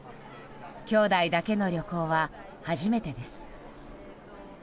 きょうだいだけの旅行は初めてです。